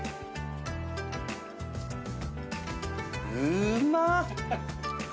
うーまっ！